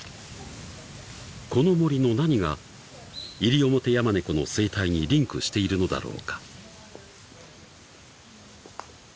［この森の何がイリオモテヤマネコの生態にリンクしているのだろうか］